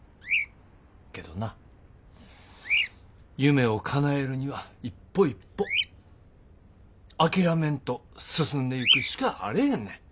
けどな夢をかなえるには一歩一歩諦めんと進んでいくしかあれへんねん。